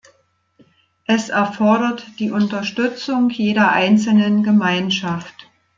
Es erfordert die Unterstützung jeder einzelnen Gemeinschaft.